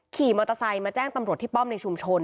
ขี่มอเตอร์ไซค์มาแจ้งตำรวจที่ป้อมในชุมชน